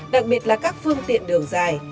đặc biệt là các phương tiện đường dài